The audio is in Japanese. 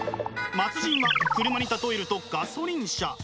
末人は車に例えるとガソリン車。